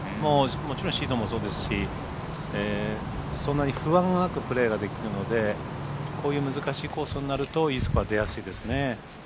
もちろんシードもそうですしそんなに不安なくプレーができるのでこういう難しいコースになるといいスコアが出やすいですね。